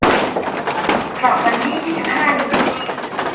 กลับวันที่ยี่สิบห้านี้